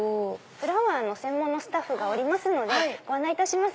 フラワー専門のスタッフがおりますのでご案内いたします。